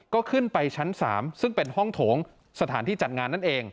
ก็ขึ้นไปชั้น๓ซึ่งเป็นห้องโถงสถานที่จัดงานนั่นเอง